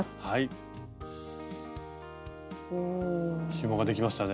ひもができましたね。